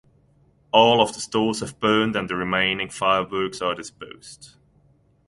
All of the stores have burned and the remaining fireworks are disposed.